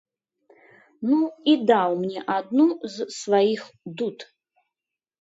Ну, і даў мне адну з сваіх дуд.